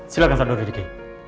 silahkan sardar hidiki